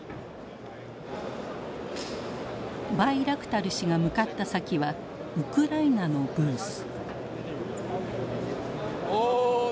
バイラクタル氏が向かった先はウクライナのブース。